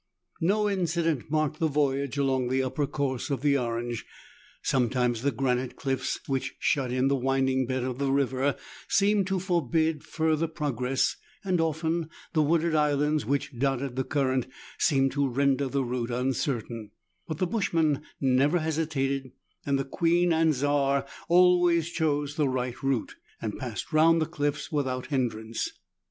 No incident marked the voyage along the upper course of the Orange. Sometimes the granite cliffs which shut in the winding bed of the river seemed to forbid further pro gress, and often the wooded islands which dotted the cur rent seemed to render the route uncertain ; but the bush man never hesitated, and the "Queen and Czar" always chose the right route, and passed round the cliffs without hindrance.